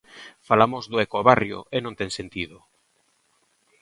Falamos do ecobarrio, e non ten sentido.